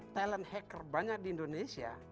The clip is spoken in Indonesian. talent hacker banyak di indonesia